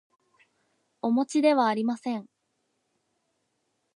おもちではありません